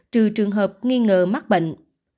trừ trường hợp nghi ngờ mắc bệnh